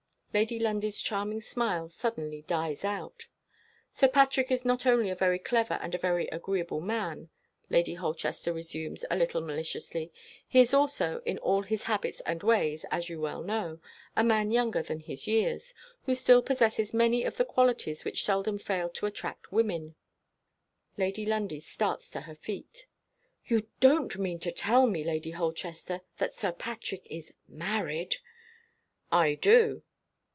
Lady Lundie's charming smile suddenly dies out. "Sir Patrick is not only a very clever and a very agreeable man," Lady Holchester resumes a little maliciously; "he is also, in all his habits and ways (as you well know), a man younger than his years who still possesses many of the qualities which seldom fail to attract women." Lady Lundie starts to her feet. "You don't mean to tell me, Lady Holchester, that Sir Patrick is married?" "I do."